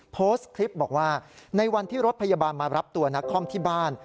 โพสต์คลิปบอกว่าในวันที่รถพยาบาลมารับตัวนักคอมที่บ้าน